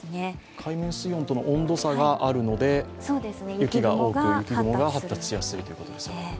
海面水温との温度差があるので雪が多く、雪雲が発達しやすいということですね。